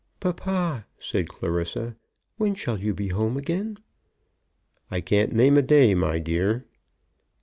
"Papa," said Clarissa, "when shall you be home again?" "I can't name a day, my dear."